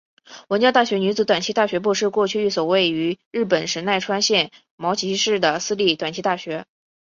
文教大学女子短期大学部是过去一所位于日本神奈川县茅崎市的私立短期大学。